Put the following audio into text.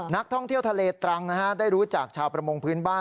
นักท่องเที่ยวทะเลตรังได้รู้จักชาวประมงพื้นบ้าน